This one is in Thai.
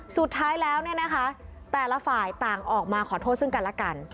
สุดท้ายแล้วเนี่ยนะคะแต่ละฝ่ายต่างออกมาขอโทษซึ่งกันและกัน